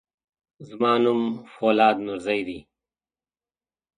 زما نوم فولاد نورزی دی.